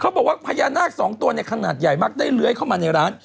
เค้าบอกว่าฝันสองตัวขนาดใหญ่มากได้เลื้อยเข้ามาในร้าน